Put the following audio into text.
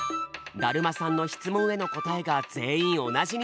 だるまさんの質問への答えが全員同じになること！